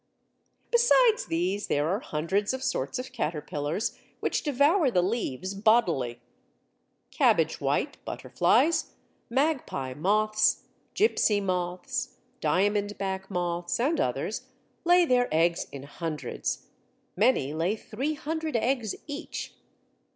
Besides these, there are hundreds of sorts of caterpillars which devour the leaves bodily. Cabbage white butterflies, magpie moths, gipsy moths, diamondback moths, and others, lay their eggs in hundreds. Many lay 300 eggs each.